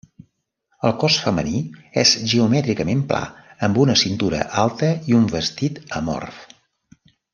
El cos femení és geomètricament pla, amb una cintura alta i un vestit amorf.